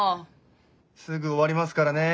すぐ終わりますからね。